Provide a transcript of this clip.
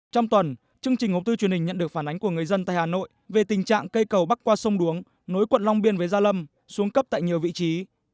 trong tuần chương trình hộp thư truyền hình nhận được phản ánh của người dân tại hà nội về tình trạng cây cầu bắc qua sông đuống nối quận long biên với gia lâm xuống cấp tại nhiều vị trí